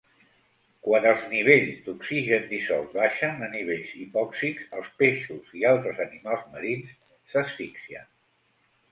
Quan els nivells d'oxigen dissolt baixen a nivells hipòxics, els peixos i altres animals marins s'asfixien.